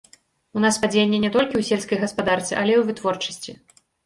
У нас падзенне не толькі ў сельскай гаспадарцы, але і ў вытворчасці.